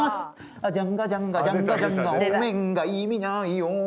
あジャンガジャンガジャンガジャンガお面が意味ないよ。